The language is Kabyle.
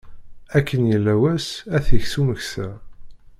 Akken yella wass, ad t-iks umeksa.